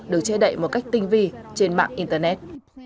được che đậy một cách tinh vi trên mạng internet